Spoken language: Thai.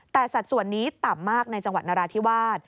แต่สัดส่วนนี้ต่ำมากในจังหวัดนราธิวาส